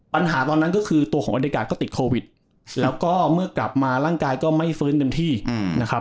ตอนนั้นก็คือตัวของอเดกาก็ติดโควิดแล้วก็เมื่อกลับมาร่างกายก็ไม่ฟื้นเต็มที่นะครับ